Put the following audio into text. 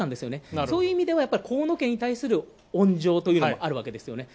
そういう意味では、河野家に対する温情というのがあるわけですよね。